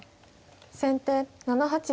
先手７八玉。